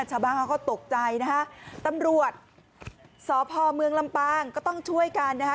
ชาวบ้านเขาก็ตกใจนะคะตำรวจสพเมืองลำปางก็ต้องช่วยกันนะคะ